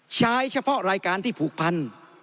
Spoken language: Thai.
ใช้เฉพาะรายการที่ผูกพัน